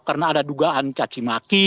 karena ada dugaan caci maki